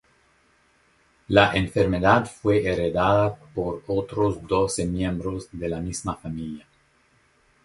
La enfermedad fue heredada por otros doce miembros de la misma familia.